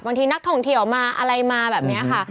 บางทีนักท่องเที่ยวมาอะไรมาแบบนี้ค่ะ